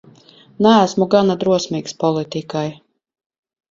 Neesmu gana drosmīgs politikai.